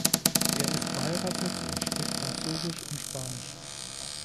Er ist verheiratet und spricht Französisch und Spanisch.